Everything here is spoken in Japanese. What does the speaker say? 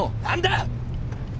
何だ！？